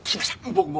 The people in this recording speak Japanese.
僕も。